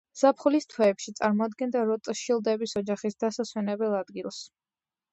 ზაფხულის თვეებში წარმოადგენდა როტშილდების ოჯახის დასასვენებელ ადგილს.